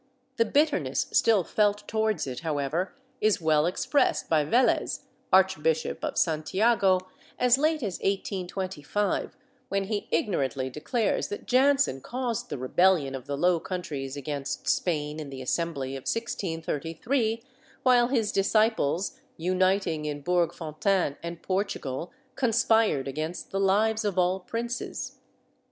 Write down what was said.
The bitterness still felt towards it, however, is well expressed by Velez, Archbishop of Santiago, as late as 1825, when he ignorantly declares that Jansen caused the rebellion of the Low Countries against Spain in the Assembly of 1633, while his disciples, uniting in Bourg Fontaine and Portugal, conspired against the lives of all princes.